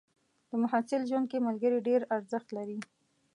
د محصل ژوند کې ملګري ډېر ارزښت لري.